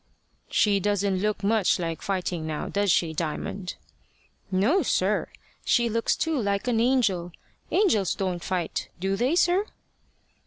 "She doesn't look much like fighting, now, does she, Diamond?" "No, sir. She looks too like an angel. Angels don't fight do they, sir?"